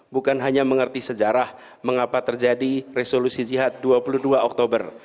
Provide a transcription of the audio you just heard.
bukan hanya mengerti sejarah mengapa terjadi resolusi jihad dua puluh dua oktober